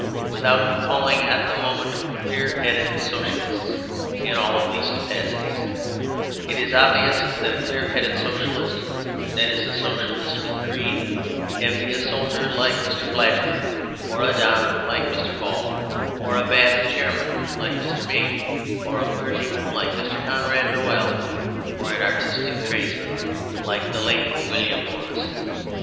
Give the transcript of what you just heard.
Without recalling at the moment clear headed Socialists in all of these capacities, it is obvious that a clear headed Socialist (that is, a Socialist with a creed) can be a soldier, like Mr. Blatchford, or a Don, like Mr. Ball, or a Bathchairman like Mr. Meeke, or a clergyman like Mr. Conrad Noel, or an artistic tradesman like the late Mr. William Morris.